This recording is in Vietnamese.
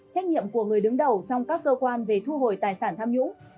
trách nhiệm của người đứng đầu trong các cơ quan về thu hồi tài sản tham nhũng